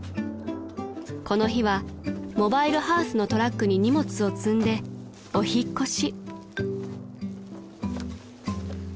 ［この日はモバイルハウスのトラックに荷物を積んでお引っ越し］